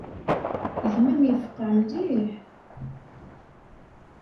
Gma-m yefqeε mliḥ.